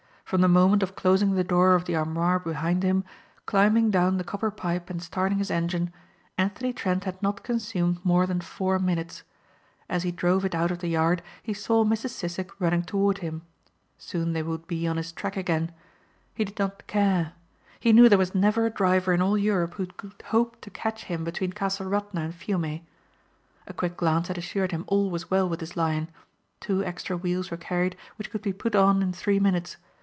From the moment of closing the door of the armoire behind him, climbing down the copper pipe and starting his engine, Anthony Trent had not consumed more than four minutes. As he drove it out of the yard he saw Mrs. Sissek running toward him. Soon they would be on his track again. He did not care. He knew there was never a driver in all Europe who could hope to catch him between Castle Radna and Fiume. A quick glance had assured him all was well with his Lion. Two extra wheels were carried which could be put on in three minutes.